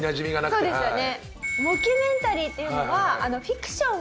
そうですよね。